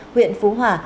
huyện phú hòa